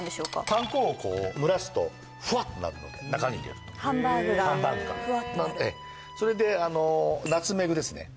パン粉を蒸らすとフワッとなるので中に入れるとハンバーグがフワッとなるそれでナツメグですね